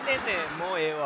もうええわ。